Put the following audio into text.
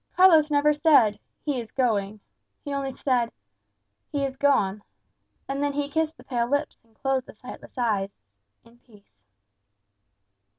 Carlos never said "He is going!" he only said "He is gone!" And then he kissed the pale lips and closed the sightless eyes in peace.